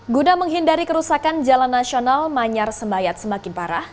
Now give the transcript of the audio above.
guna menghindari kerusakan jalan nasional manyar sembayat semakin parah